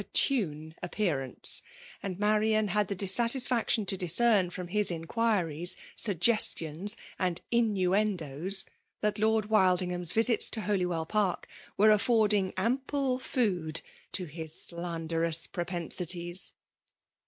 tune appearance; and Marian had the dis satisfaction to discern from his inquiries^ 8ug<* gestions, and inuendoes^ that Lord Wildingr ham's visits to Holywell Park were affording ample food to his slanderous propensities.